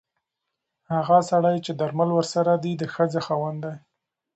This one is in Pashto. هغه سړی چې درمل ورسره دي د ښځې خاوند دی.